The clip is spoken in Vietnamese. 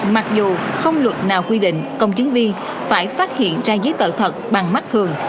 mặc dù không luật nào quy định công chứng viên phải phát hiện ra giấy tờ thật bằng mắt thường